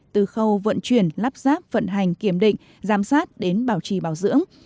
từ khâu vận chuyển lắp ráp vận hành kiểm định giám sát đến bảo trì bảo dưỡng